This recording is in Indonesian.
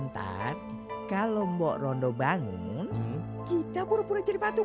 bantan kalau mbok rondo bangun kita pura pura jadi patung